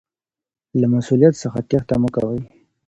له مسؤلیت څخه تیښته مه کوئ.